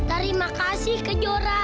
terima kasih kejora